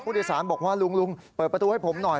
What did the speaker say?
สารบอกว่าลุงเปิดประตูให้ผมหน่อย